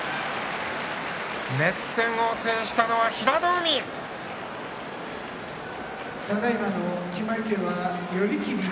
熱戦を制したのは平戸海です。